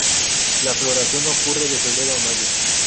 La floración ocurre de febrero a mayo.